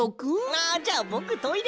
あじゃあぼくトイレ！